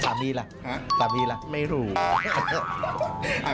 สามีล่ะสามีล่ะไม่รู้